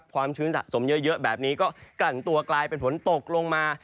ชื้นสะสมเยอะแบบนี้ก็กลั่นตัวกลายเป็นฝนตกลงมา